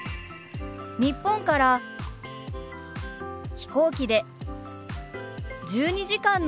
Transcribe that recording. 日本から飛行機で１２時間の長旅でした。